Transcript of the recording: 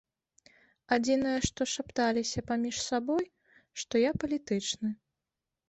Адзінае што шапталіся паміж сабой, што я палітычны.